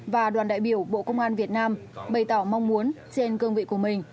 và đoàn đại biểu bộ công an việt nam bày tỏ mong muốn trên cương vị của mình